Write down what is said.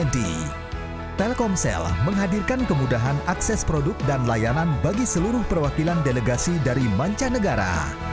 telkomsel menghadirkan kemudahan akses produk dan layanan bagi seluruh perwakilan delegasi dari mancanegara